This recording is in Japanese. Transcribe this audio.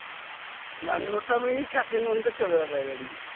何のために酒飲んでっか分からねえ。